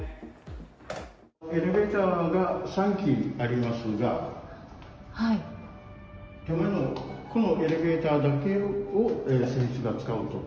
エレベーターが３基ありますが、手前のここのエレベーターだけ、選手が使うと。